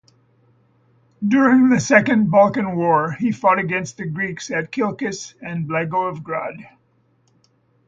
During the Second Balkan War he fought against the Greeks at Kilkis and Blagoevgrad.